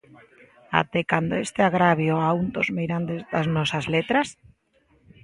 Até cando este agravio a un dos meirandes das nosas letras?